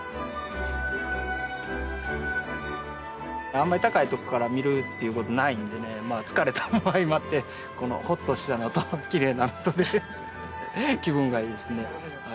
あんまり高いとこから見るっていうことないんでねまあ疲れたも相まってこのホッとしたのときれいなのとで気分がいいですね。